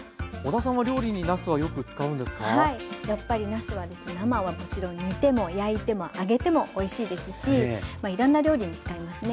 やっぱりなすは生はもちろん煮ても焼いても揚げてもおいしいですしいろんな料理に使いますね。